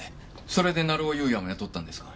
それで成尾優也も雇ったんですか？